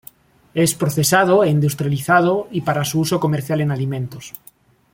Es procesado e industrializado y para su uso comercial en alimentos.